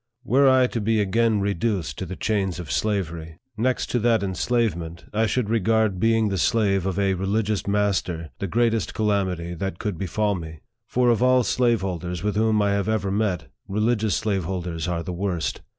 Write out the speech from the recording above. Were I to be again reduced to the chains of slavery, next to that 78 NARRATIVE OF THE enslavement, I should regard being the slave of a religious master the greatest calamity that could be fall me. For of all slaveholders with whom I have ever met, religious slaveholders are the worst.